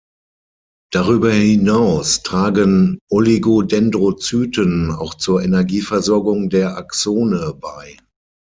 Darüber hinaus tragen Oligodendrozyten auch zur Energieversorgung der Axone bei.